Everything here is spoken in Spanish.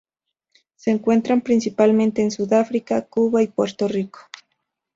Se encuentran principalmente en Sudáfrica, Cuba y Puerto Rico.